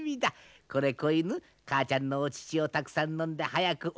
これ子犬母ちゃんのお乳をたくさん飲んで早く大きくなるのだよ。